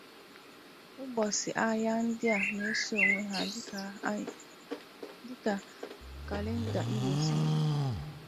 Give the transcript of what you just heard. Ụbọchị ahịa ndị a na-eso onwe ha dika kalenda Igbo si di.